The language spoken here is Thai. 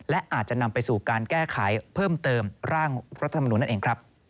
และอาจจะนำไปสู่การแก้ไขเพิ่มเติมร่างรัฐธรรมนุนนั่นเองครับ